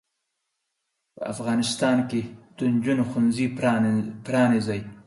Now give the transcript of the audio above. په افغانستان کې د انجونو ښوونځې پرانځئ.